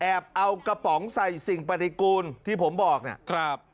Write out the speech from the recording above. เอากระป๋องใส่สิ่งปฏิกูลที่ผมบอกเนี่ยครับ